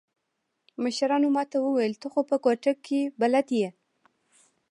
مشرانو ما ته وويل ته خو په کوټه کښې بلد يې.